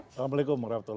assalamualaikum wr wb